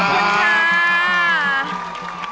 ขอบคุณค่ะ